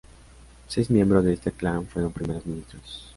Seis miembros de este clan fueron Primeros Ministros.